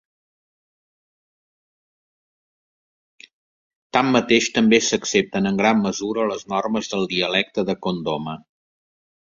Tanmateix, també s'accepten en gran mesura les normes del dialecte de Kondoma.